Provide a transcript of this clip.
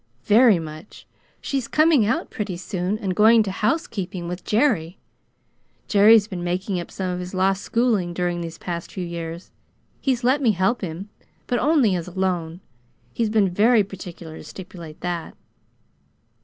"Very much. She's coming out pretty soon, and going to housekeeping with Jerry. Jerry's been making up some of his lost schooling during these past few years. He's let me help him but only as a loan. He's been very particular to stipulate that."